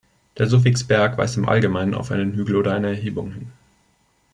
Das Suffix "‚-berg‘" weist im Allgemeinen auf einen Hügel oder eine Erhebung hin.